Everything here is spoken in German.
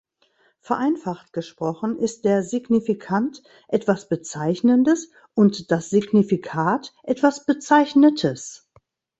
Vereinfacht gesprochen ist der Signifikant etwas Bezeichnendes und das Signifikat etwas Bezeichnetes.